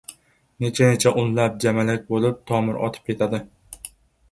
necha-necha unlab, jamalak bo‘lib, tomir otib ketadi.